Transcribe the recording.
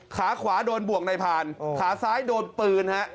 ขาขวาโดนบ่วงในผ่านขาซ้ายโดนปืนฮะ